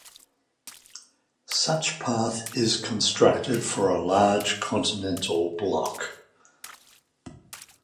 Such path is constructed for a large continental block.